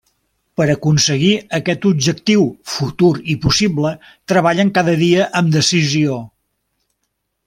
Per aconseguir aquest objectiu futur i possible treballen cada dia amb decisió.